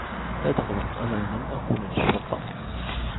لا تقلق. أنا لن أقول للشرطة.